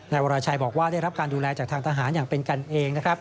วราชัยบอกว่าได้รับการดูแลจากทางทหารอย่างเป็นกันเองนะครับ